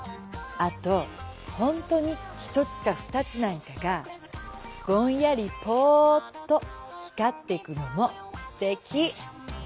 あとホントに一つか二つなんかがぼんやりポッと光ってくのもすてき。